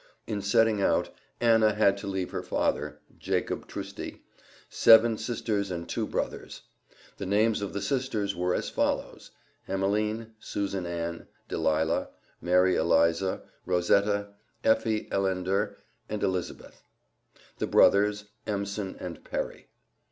In setting out, Anna had to leave her father (Jacob Trusty), seven sisters and two brothers. The names of the sisters were as follows: Emeline, Susan Ann, Delilah, Mary Eliza, Rosetta, Effie Ellender and Elizabeth; the brothers Emson and Perry.